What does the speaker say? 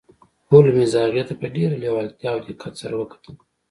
هولمز هغې ته په ډیره لیوالتیا او دقت سره وکتل